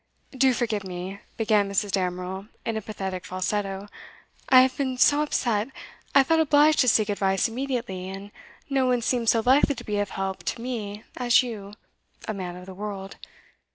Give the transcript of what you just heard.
'Do forgive me,' began Mrs. Damerel, in a pathetic falsetto. 'I have been so upset, I felt obliged to seek advice immediately, and no one seemed so likely to be of help to me as you a man of the world.